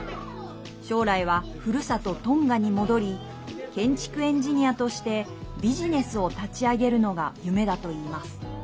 将来はふるさと、トンガに戻り建築エンジニアとしてビジネスを立ち上げるのが夢だといいます。